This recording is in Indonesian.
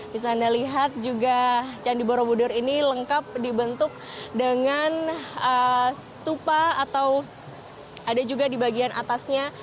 bisa anda lihat juga candi borobudur ini lengkap dibentuk dengan stupa atau ada juga di bagian atasnya